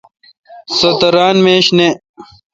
سو تہ ران میش نہ۔